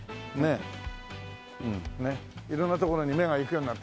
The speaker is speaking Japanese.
色んなところに目がいくようになって。